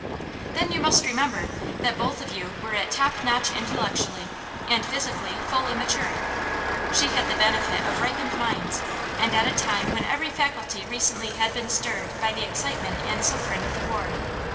Then you must remember that both of you were at top notch intellectually, and physically, fully matured. She had the benefit of ripened minds, and at a time when every faculty recently had been stirred by the excitement and suffering of the war.